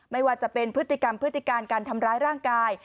ไม่ว่าจะเป็นพฤติกรรมพฤติการการทำร้ายร่างกาย